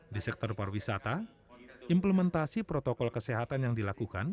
di sektor pariwisata implementasi protokol kesehatan yang dilakukan